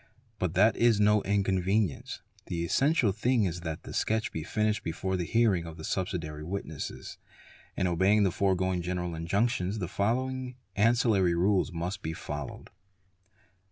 But that is no inconvenience; the essential thing is that the sketch — be finished before the hearing of the subsidiary witnesses. In obeying the foregoing general injunetions the following ancillary rules must be followed.